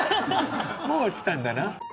もう来たんだな。